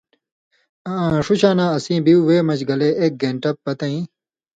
آں ݜُوشاناں اسیں بیُو وے مژ گلے ایک گین٘ٹہ پتَیں